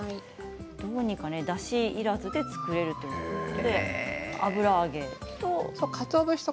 だしいらずで作れるということで、油揚げと。